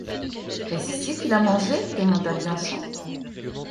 Est-ce ici qu’il a mangé? demanda Bianchon.